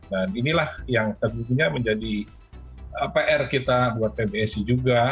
nah inilah yang tentunya menjadi pr kita buat pbsi juga